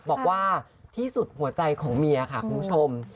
บอกว่าที่สุดหัวใจของเมียค่ะคุณผู้ชม